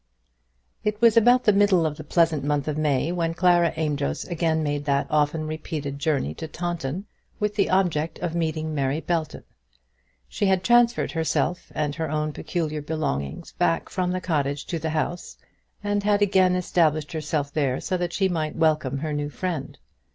It was about the middle of the pleasant month of May when Clara Amedroz again made that often repeated journey to Taunton, with the object of meeting Mary Belton. She had transferred herself and her own peculiar belongings back from the cottage to the house, and had again established herself there so that she might welcome her new friend.